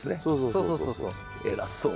そうそうそうそう。